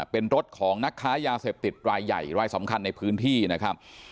เป็นรถของนักค้ายาเสพติดรายใหญ่รายสำคัญในพื้นที่นะครับ